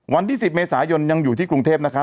วันที่๑๐เมษายนยังอยู่ที่กรุงเทพนะครับ